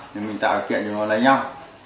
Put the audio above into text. thì mình tạo điều kiện cho nó lấy nhau